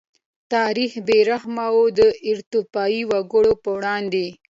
تاریخ بې رحمه و د ایتوپیايي وګړو په وړاندې.